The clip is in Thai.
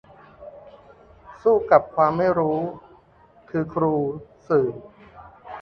สู้กับความไม่รู้ คือครู สื่อ